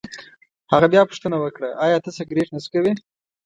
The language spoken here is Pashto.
هغه بیا پوښتنه وکړه: ایا ته سګرېټ نه څکوې؟